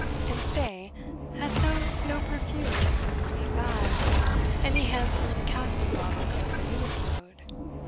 And stay hast thou no perfumes and sweet bags, or any handsome casting bottles of the newest mode?"